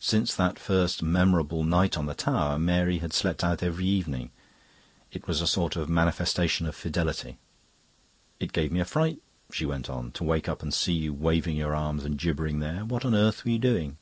Since that first memorable night on the tower, Mary had slept out every evening; it was a sort of manifestation of fidelity. "It gave me a fright," she went on, "to wake up and see you waving your arms and gibbering there. What on earth were you doing?"